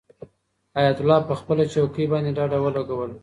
حیات الله په خپله چوکۍ باندې ډډه ولګوله.